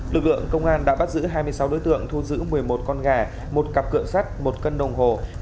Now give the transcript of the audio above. lực lượng công an đã bắt giữ hai mươi sáu đối tượng thu giữ một mươi một con gà một cặp cựa sắt một cân đồng hồ